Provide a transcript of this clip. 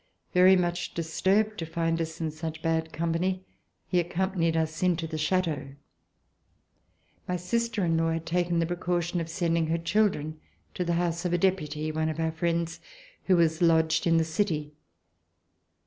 Very much disturbed to find us in such bad company, he accompanied us into the Chateau. My sister in law had taken the precaution of sending her children to the house of a deputy, one of our friends, who was lodged in the city.